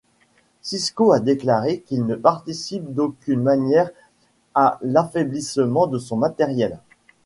Cisco a déclaré qu'il ne participe d'aucune manière à l'affaiblissement de son matériel.